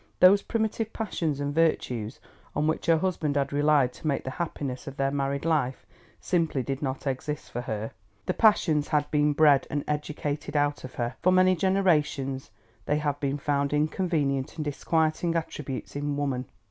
Those primitive passions and virtues on which her husband had relied to make the happiness of their married life simply did not exist for her. The passions had been bred and educated out of her; for many generations they have been found inconvenient and disquieting attributes in woman.